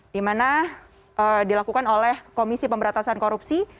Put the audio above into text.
dimana dilakukan oleh komisi pemberatasan korupsi